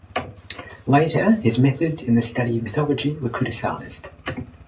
Later his methods in the study of mythology were criticized.